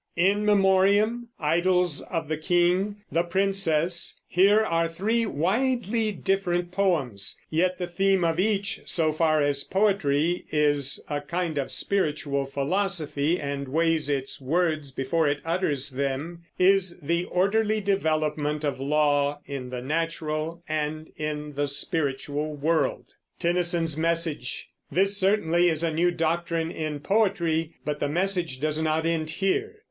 In Memoriam, Idylls of the King, The Princess, here are three widely different poems; yet the theme of each, so far as poetry is a kind of spiritual philosophy and weighs its words before it utters them, is the orderly development of law in the natural and in the spiritual world. This certainly is a new doctrine in poetry, but the message does not end here.